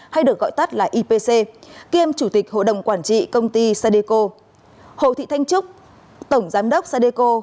hay được gọi tắt là ipc kiêm chủ tịch hội đồng quản trị công ty sadeco hồ thị thanh trúc tổng giám đốc sadeco